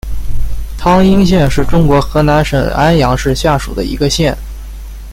汤阴县是中国河南省安阳市下属的一个县。